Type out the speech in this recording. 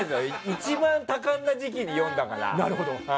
一番多感な時期に読んだから。